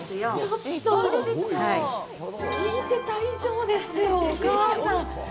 ちょっと、聞いてた以上ですよ、お母さん！